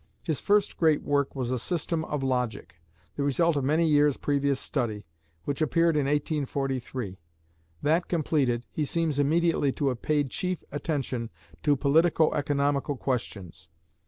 His first great work was "A System of Logic," the result of many years' previous study, which appeared in 1843. That completed, he seems immediately to have paid chief attention to politico economical questions.